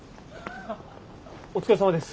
お疲れさまです。